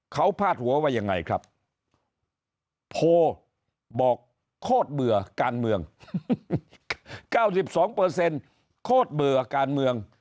เขาพาดหัวว่ายังไงครับโพลบอกโคตรเบื่อการเมือง๙๒โคตรเบื่อการเมือง